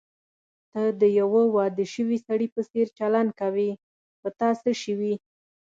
ته د یوه واده شوي سړي په څېر چلند کوې، په تا څه شوي؟